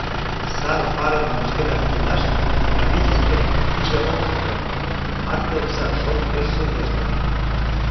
Сар парымым шкетак тӱлаш правительствын вийже ок шуто, марке окса шот пеш шулдештын.